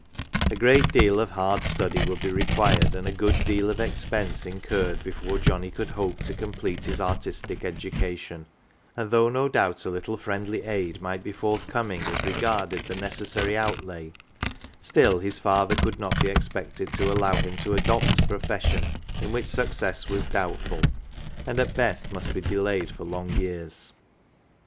A great deal of hard study would be required and a good deal of expense incurred before Johnnie could hope to complete his artistic education ; and though no doubt a little friendly aid might be forthcoming as regarded the necessary outlay, still his father could not be expected to allow him to adopt a profession in which success was doubtful, and at best must be delayed for long years.